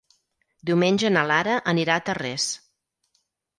Diumenge na Lara anirà a Tarrés.